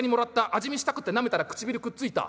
味見したくてなめたら唇くっついた。